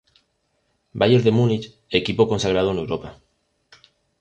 Bayern de Múnich, equipo consagrado en Europa.